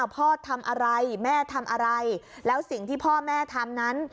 พ่อทำอะไรแม่ทำอะไรแล้วสิ่งที่พ่อแม่ทำนั้น